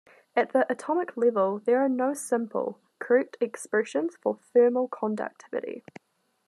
At the atomic level, there are no simple, correct expressions for thermal conductivity.